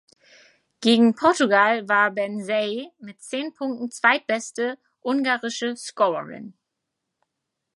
Gegen Portugal war Benzsay mit zehn Punkten zweitbeste ungarische Scorerin.